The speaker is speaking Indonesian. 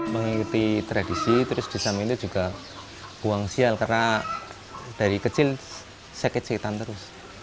mengikuti tradisi terus di samping itu juga buang sial karena dari kecil sakitan terus